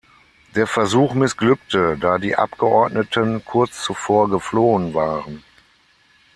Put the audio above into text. Der Versuch missglückte, da die Abgeordneten kurz zuvor geflohen waren.